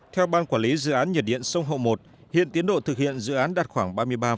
theo ban quản lý dự án nhiệt điện sông hậu một hiện tiến độ thực hiện dự án đạt khoảng ba mươi ba ba mươi bốn